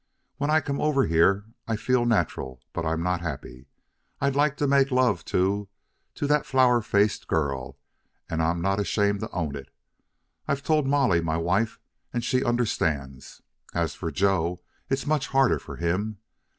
When I come over here I feel natural, but I'm not happy. I'd like to make love to to that flower faced girl. And I'm not ashamed to own it. I've told Molly, my wife, and she understands. As for Joe, it's much harder for him.